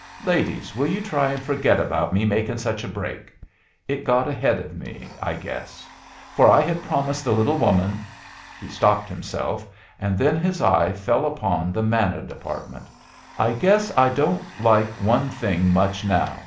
Ladies, will you try and forget about me making such a break? It got ahead of me, I guess; for I had promised the little woman " He stopped himself; and then his eye fell upon the Manna Department. "I guess I don't like one thing much now.